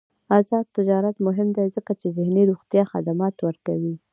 آزاد تجارت مهم دی ځکه چې ذهني روغتیا خدمات ورکوي.